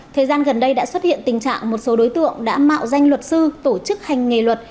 thời gian gần đây đã xuất hiện tình trạng một số đối tượng đã mạo danh luật sư tổ chức hành nghề luật